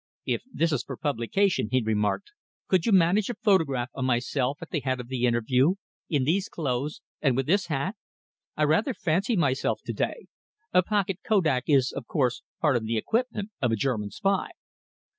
"If this is for publication," he remarked, "could you manage a photograph of myself at the head of the interview, in these clothes and with this hat? I rather fancy myself to day. A pocket kodak is, of course, part of the equipment of a German spy."